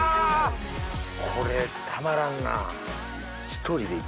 これたまらんなぁ。